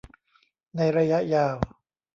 ในระยะยาว